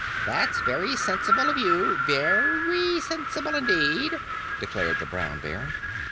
"That's very sensible of you, very sensible indeed," declared the Brown Bear.